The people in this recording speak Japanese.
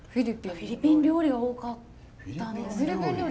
フィリピン料理が多かったんですよね。